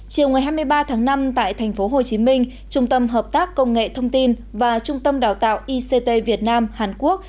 chiều ngày hai mươi ba tháng năm tại tp hcm trung tâm hợp tác công nghệ thông tin và trung tâm đào tạo ict việt nam hàn quốc